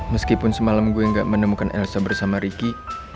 meskipun semalam gue gak menemukan elsa bersama ricky